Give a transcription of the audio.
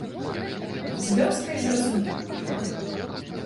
З вёскай зразумела ўжо.